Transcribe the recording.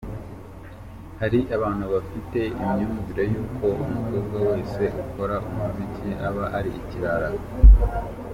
Hari abantu bafite imyumvire y’uko umukobwa wese ukora umuziki aba ari ikirara.